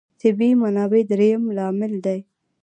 طبیعي منابع درېیم لامل دی.